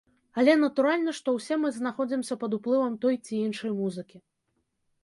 Але натуральна, што ўсе мы знаходзімся пад уплывам той ці іншай музыкі.